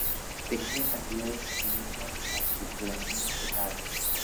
Pequeñas cantidades penetran a la circulación fetal.